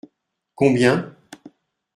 Combien ?